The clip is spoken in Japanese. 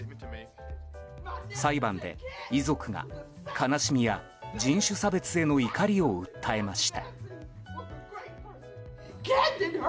裁判で遺族が、悲しみや人種差別への怒りを訴えました。